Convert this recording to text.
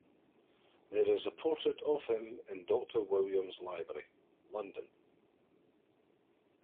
There is a portrait of him in Doctor Williams's Library, London.